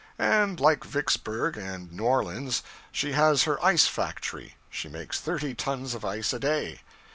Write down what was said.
And like Vicksburg and New Orleans, she has her ice factory: she makes thirty tons of ice a day.